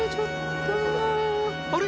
あれ？